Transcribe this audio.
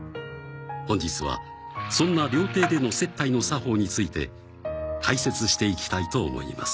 本日はそんな料亭での接待の作法について解説していきたいと思います。